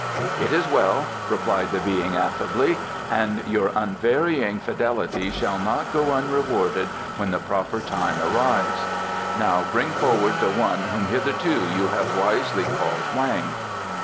"It is well," replied the Being affably; "and your unvarying fidelity shall not go unrewarded when the proper time arrives. Now bring forward the one whom hitherto you have wisely called Hoang."